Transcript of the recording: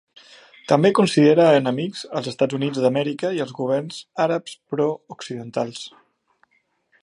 També considera enemics els Estats Units d'Amèrica i els governs àrabs prooccidentals.